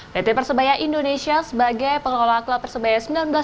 dt persebaya indonesia sebagai pengelola klub persebaya seribu sembilan ratus dua puluh tujuh